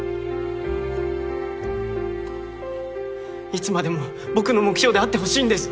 いつまでも僕の目標であってほしいんです！